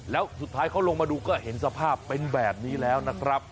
แล้วสุดท้ายเขาลงมาดูก็เห็นสภาพเป็นแบบนี้แล้วนะครับ